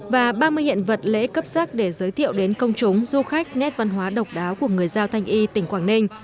và ba mươi hiện vật lễ cấp sắc để giới thiệu đến công chúng du khách nét văn hóa độc đáo của người giao thanh y tỉnh quảng ninh